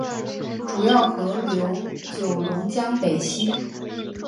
主要河流九龙江北溪。